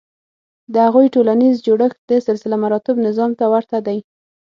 د هغوی ټولنیز جوړښت د سلسلهمراتب نظام ته ورته دی.